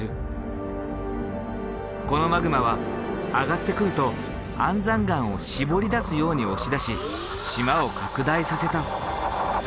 このマグマは上がってくると安山岩をしぼり出すように押し出し島を拡大させた。